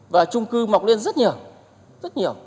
và trung cư mọc lên rất nhiều